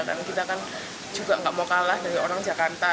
dan kita kan juga gak mau kalah dari orang jakarta